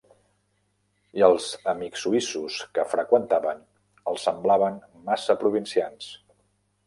I els amics suïssos que freqüentaven, els semblaven massa provincians.